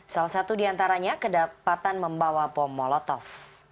salah satu diantaranya kedapatan membawa bom molotov